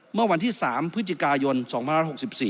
เมื่อวันที่๓พฤศจิกายน๒๐๖๔